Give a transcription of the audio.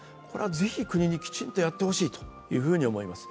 ぜひ国にきちんとやってほしいと思います。